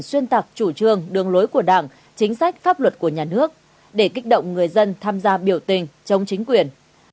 xuyên tạc chủ trương đường lối của đảng chính sách pháp luật của nhà nước để kích động người dân tham gia biểu tình chống chính quyền